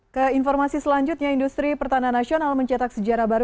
ke informasi selanjutnya industri pertahanan nasional mencetak sejarah baru